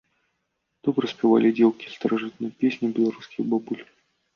Добра спявалі дзеўкі старажытныя песні беларускіх бабуль.